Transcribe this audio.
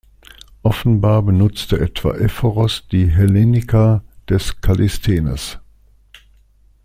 Offenbar benutzte etwa Ephoros die "Hellenika" des Kallisthenes.